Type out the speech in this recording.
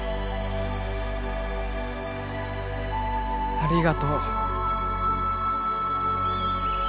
ありがとう。